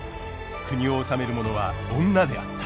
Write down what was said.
国を治める者は女であった。